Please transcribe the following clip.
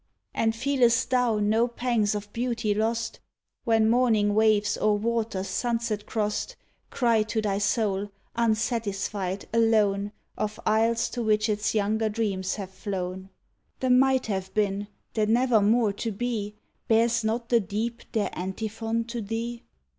And feelest thou no pangs of beauty lost, When morning waves or waters sunset crost Cry to thy soul, unsatisfied, alone. Of Isles to which its younger dreams have flown ^ The might have been, the nevermore to be. Bears not the deep their antiphon to thee*?